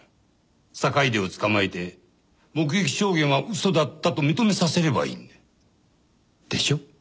坂出を捕まえて目撃証言は嘘だったと認めさせればいい。でしょ？